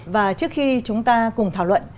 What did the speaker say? và trước khi chúng ta cùng thảo luận